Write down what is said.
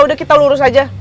udah kita lurus aja